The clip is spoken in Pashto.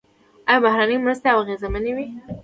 آیا بهرنۍ مرستې اغیزمنې وې؟